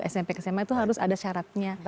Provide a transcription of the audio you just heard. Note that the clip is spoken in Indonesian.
smp sma itu harus ada syaratnya